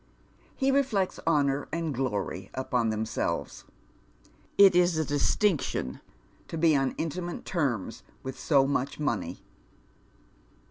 He reflects honour and glory upon themselres. It is a distinction to be on intimate terms with sd xnuch money.